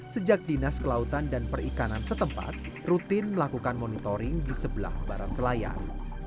sejak dinas kelautan dan perikanan setempat rutin melakukan monitoring di sebelah barat selayar